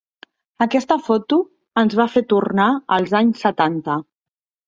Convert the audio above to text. Aquesta foto ens va fer tornar als anys setanta.